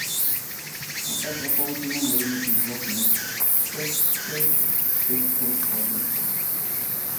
پەقەت ئوقۇغۇچىنىڭ ھۆرمىتى يوق مەكتەپتەك ھېس قىلىپ قالدىم!